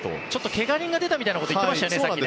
けが人が出たみたいなことを言っていましたよね。